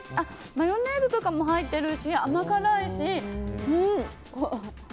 マヨネーズとかも入ってるし甘辛いし。